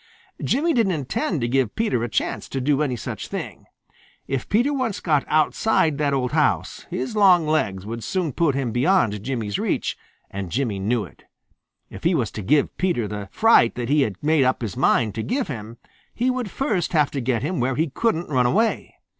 Jimmy didn't intend to give Peter a chance to do any such thing. If Peter once got outside that old house, his long legs would soon put him beyond Jimmy's reach, and Jimmy knew it. If he was to give Peter the fright that he had made up his mind to give him, he would first have to get him where he couldn't run away.